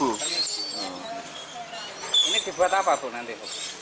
ini dibuat apa bu nanti